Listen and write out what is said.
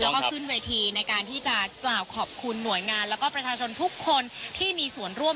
และก็ขึ้นที่วีทีในการที่จะกล่าวขอบคุณหน่วยงานและกับประชาชนทุกคนที่ส่งร่วมในภักษณะครั้งนี้